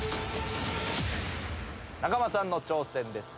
中間さんの挑戦です。